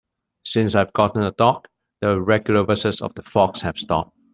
Since I've gotten a dog, the regular visits of the fox have stopped.